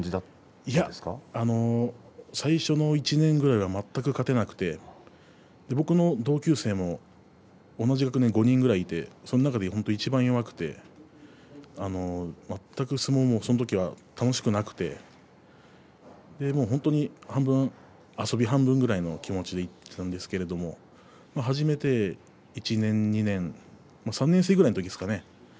いや最初の１年ぐらいは全く勝てなくて僕の同級生も同じ学年に５人くらいいてその中で本当にいちばん弱くて全く相撲もそのときは楽しくなくて本当に遊び半分くらいの気持ちで行っていたんですけれど始めて１年、２年３年生くらいのときですかね